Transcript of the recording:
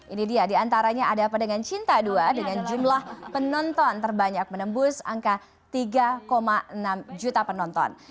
ini dia diantaranya ada apa dengan cinta dua dengan jumlah penonton terbanyak menembus angka tiga enam juta penonton